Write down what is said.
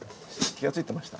気が付いてました？